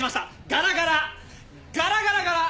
ガラガラガラガラガラ。